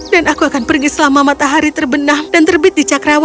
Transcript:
dan aku akan pergi selama matahari terbenam dan terbenam